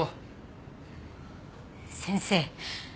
先生。